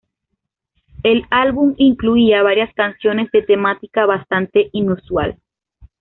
El álbum incluía varias canciones de temática bastante inusual.